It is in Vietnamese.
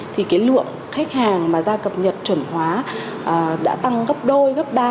thì cái lượng khách hàng mà ra cập nhật chuẩn hóa đã tăng gấp đôi gấp ba